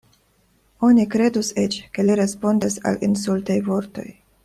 Oni kredus eĉ, ke li respondas al insultaj vortoj.